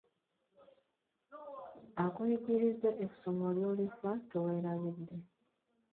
Akuyigirizza essomo ly'olifa teweerabidde!